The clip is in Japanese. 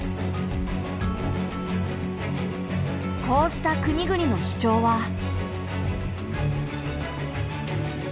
こうした国々の主張は。